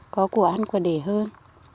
có của ăn của để hơn